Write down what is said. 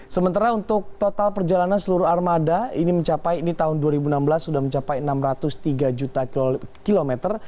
sementara untuk total perjalanan seluruh armada ini mencapai ini tahun dua ribu enam belas sudah mencapai enam ratus tiga juta kilometer